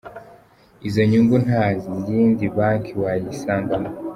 Iyo nyungu nta yindi banki wayisangamo.